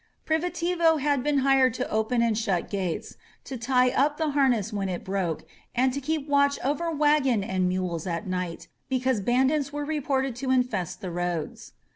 Frimitivo had been hired to open and shut gates, to tie up the har ness when it broke, and to keep watch over wagon and 164 SYMBOLS OF MEXICO mules at night, because bandits were reported to in fest the roads.